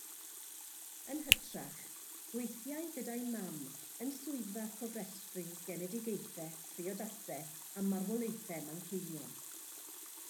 Yn hytrach, gweithiai gyda'i mam yn swyddfa cofrestru genedigaethau, priodasau a marwolaethau Manceinion.